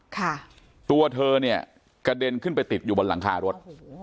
ค่ะตัวเธอเนี่ยกระเด็นขึ้นไปติดอยู่บนหลังคารถ